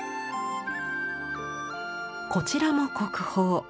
こちらも国宝。